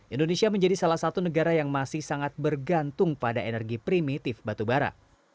indonesia menjadi salah satu negara yang masih sangat bergantung pada energi primitif batu bara